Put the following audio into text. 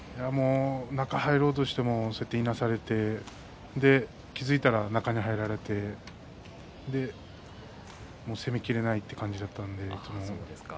中に入ろうとしてもいなされて気付いたら中に入られてもう攻めきれないという感じだったんで。